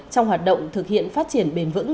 trong hoạt động thực hiện phát triển bền vững